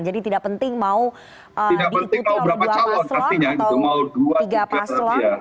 jadi tidak penting mau diikuti oleh dua paslon atau tiga paslon